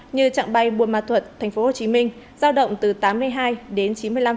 như chặng bay buôn ma thuật tp hcm giao động từ tám mươi hai đến chín mươi năm